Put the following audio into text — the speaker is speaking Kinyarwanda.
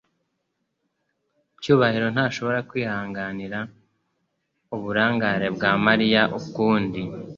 Cyubahiro ntashobora kwihanganira uburangare bwa Mariya ukundi.